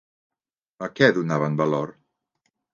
A què donaven valor?